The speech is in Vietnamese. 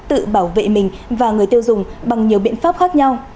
tự bảo vệ mình và người tiêu dùng bằng nhiều biện pháp khác nhau